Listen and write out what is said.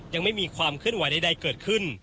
ยังไม่มีความเคลื่อนไหวใดเกิดขึ้น